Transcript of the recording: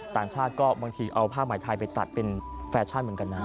ต่างชาติก็บางทีเอาผ้าใหม่ไทยไปตัดเป็นแฟชั่นเหมือนกันนะ